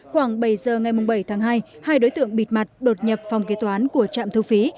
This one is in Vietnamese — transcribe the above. khoảng bảy giờ ngày bảy tháng hai hai đối tượng bịt mặt đột nhập phòng kế toán của trạm thu phí